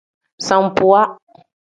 Sambuwa.